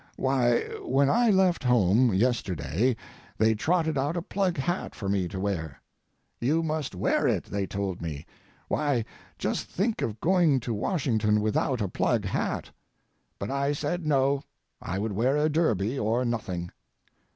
Why, when I left home yesterday they trotted out a plug hat for me to wear. "You must wear it," they told me; "why, just think of going to Washington without a plug hat!" But I said no; I would wear a derby or nothing.